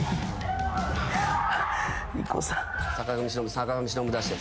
坂上忍出して。